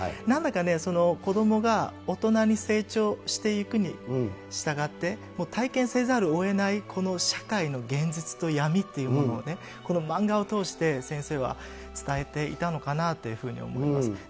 なんだかね、子どもが大人に成長していくにしたがって、体験せざるをえない、この社会の現実と闇っていうものを、これ、漫画を通して先生は伝えていたのかなというふうに思います。